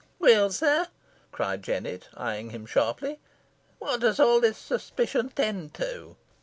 "Weel, sir," cried Jennet, eyeing him sharply, "what does all this suspicion tend to?"